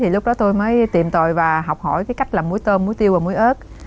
lúc đó tôi mới tìm tòi và học hỏi cách làm muối tôm muối tiêu và muối ớt